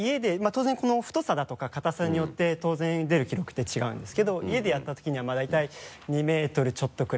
同然この太さだとか硬さによって当然出る記録って違うんですけど家でやったときには大体２ｍちょっとくらい。